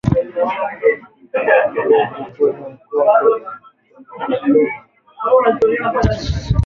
Povu kwenye mkondo wa kupumulia chembe pua